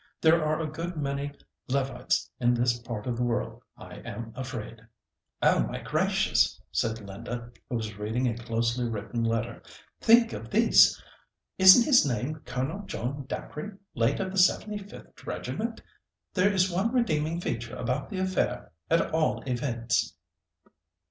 There are a good many Levites in this part of the world, I am afraid." "Oh, my gracious!" said Linda, who was reading a closely written letter; "think of this! Isn't his name Colonel John Dacre, late of the 75th Regiment? There is one redeeming feature about the affair, at all events."